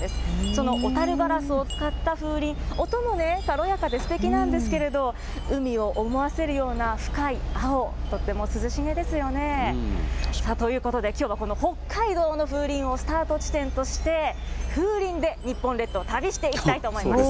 その小樽ガラスを使った風鈴、音もね、軽やかですてきなんですけれども、海を思わせるような、深い青、とっても涼しげですよね。ということで、きょうはこの北海道の風鈴をスタート地点として、風鈴で日本列島を旅していきたいと思います。